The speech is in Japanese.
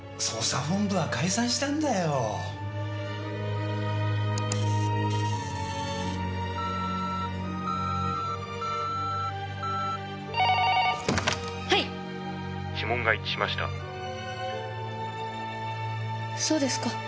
そうですか。